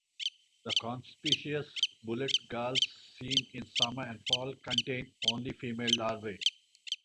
The conspicuous bullet galls seen in summer and fall contain only female larvae.